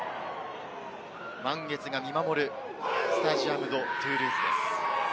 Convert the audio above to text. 満月が見守るスタジアム・ド・トゥールーズです。